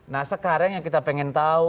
nah sekarang yang kita pengen tahu